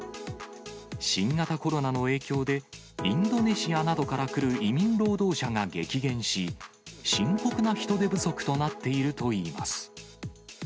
新型コロナの影響で、インドネシアなどから来る移民労働者が激減し、深刻な人手不足となっているといいます。